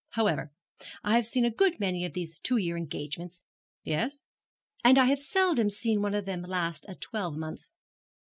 However, I have seen a good many of these two year engagements ' 'Yes.' 'And I have seldom seen one of them last a twelvemonth.'